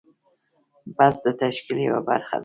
بست د تشکیل یوه برخه ده.